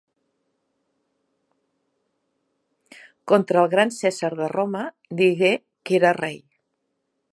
Contra el Gran Cèsar de Roma digué que era Rei.